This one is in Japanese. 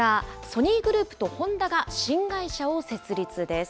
ソニーグループとホンダが新会社を設立です。